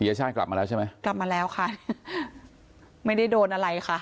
ยชาติกลับมาแล้วใช่ไหมกลับมาแล้วค่ะไม่ได้โดนอะไรค่ะ